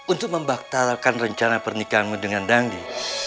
untuk membaktarkan rencana pernikahanmu dengan danggi